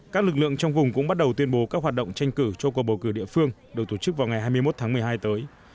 các lực lượng trong vùng cũng bắt đầu tuyên bố các hoạt động tranh cử cho cuộc bầu cử địa phương được tổ chức vào ngày hai mươi một tháng một mươi hai tới